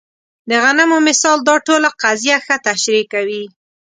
د غنمو مثال دا ټوله قضیه ښه تشریح کوي.